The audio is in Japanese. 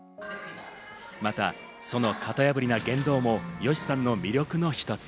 また、その型破りな言動もＹＯＳＨＩさんの魅力の一つ。